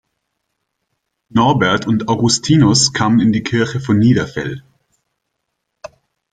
Norbert und Augustinus kamen in die Kirche von Niederfell.